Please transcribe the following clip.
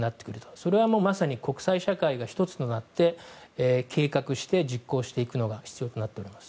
それはまさに国際社会が１つとなって計画して、実行していくのが必要となっています。